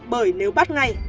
bởi nếu bắt ngay